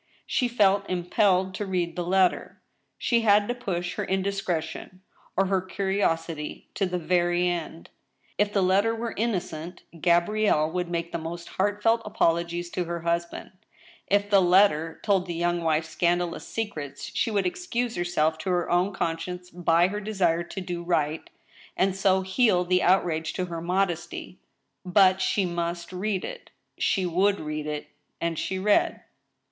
She felt impelled to read the letter; she had to push her indiscre tion, or her curiosity to the very end. If the letter were innocent, Gabrielle would make the most heart felt apologies to her husband. If the letter told the young wife scandalous secrets, she would excuse herself to her own con science by her desire to do right, and so heal the outrage to her modc^sty. But she must read it. She would read it, and she read.